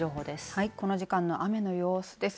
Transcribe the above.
はい、この時間の雨の様子です。